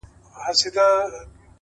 علم د فکر وسعت پراخوي،